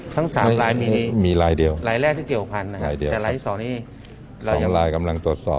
ทั้ง๓ลายมีนี้ลายแรกที่เกี่ยวพันธุ์นะครับแต่ลายที่๒นี้สองลายกำลังตรวจสอบ